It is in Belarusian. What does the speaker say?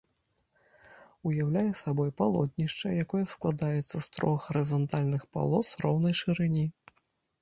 Уяўляе сабой палотнішча, якое складаецца з трох гарызантальных палос роўнай шырыні.